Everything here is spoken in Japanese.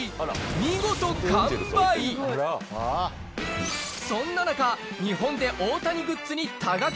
見事そんな中日本で大谷グッズにで発見！